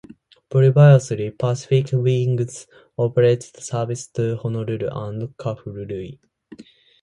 Previously, Pacific Wings operated service to Honolulu and Kahului.